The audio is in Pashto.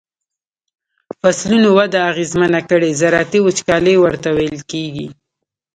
فصلونو وده اغیزمنه کړي زراعتی وچکالی ورته ویل کیږي.